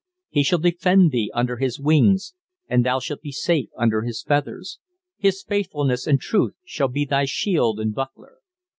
"He shall defend thee under his wings, and thou shalt be safe under his feathers: his faithfulness and truth shall be thy shield and buckler.